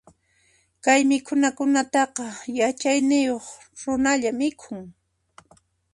Kay mikhuykunataqa, yachayniyuq runalla mikhun.